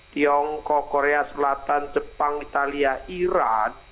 tiongkok korea selatan jepang italia iran